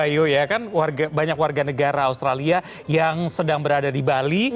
yo ya kan banyak warga negara australia yang sedang berada di bali